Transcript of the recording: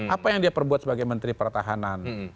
apa yang dia perbuat sebagai menteri pertahanan